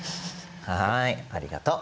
はいありがとう。